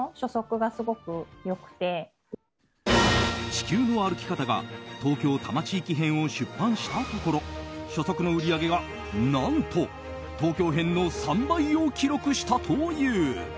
「地球の歩き方」が東京多摩地域編を出版したところ初速の売り上げが何と東京編の３倍を記録したという。